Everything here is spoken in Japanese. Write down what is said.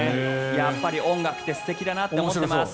やっぱり音楽って素敵だなと思います。